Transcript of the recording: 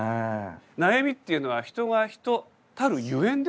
悩みっていうのは人が人たるゆえんですよ。